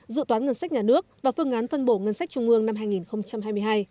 dự toán ngân sách nhà nước và phương án phân bổ ngân sách trung ương năm hai nghìn hai mươi hai